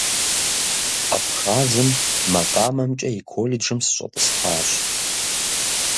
Абхъазым макъамэмкӀэ и колледжым сыщӀэтӀысхьащ.